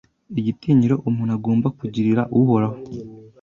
igitinyiro umuntu agomba kugirira Uhoraho